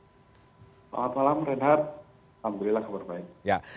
selamat malam renhat alhamdulillah kabar baik